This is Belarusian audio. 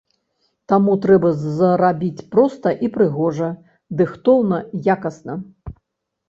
Таму трэба зрабіць проста і прыгожа, дыхтоўна, якасна.